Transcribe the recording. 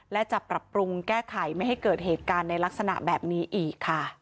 และจะปรับปรุงแก้ไขไม่ให้เกิดเหตุการณ์ในลักษณะแบบนี้อีกค่ะ